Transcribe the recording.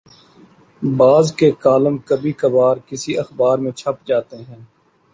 بعض کے کالم کبھی کبھارکسی اخبار میں چھپ جاتے ہیں۔